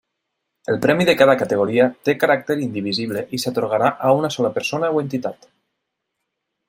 El premi de cada categoria té caràcter indivisible i s'atorgarà a una sola persona o entitat.